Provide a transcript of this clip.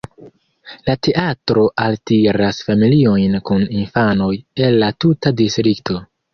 La teatro altiras familiojn kun infanoj el la tuta distrikto.